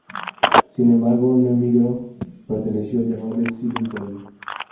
Sin embargo, no emigró; perteneció al llamado "exilio interno".